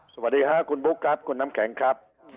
สวัสดีค่ะคุณบุ๊คครับคุณน้ำแข็งครับ